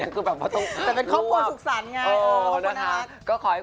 แต่คือเบื่อป่วงหัวไปอยู่โรงพยาบาลดีกว่า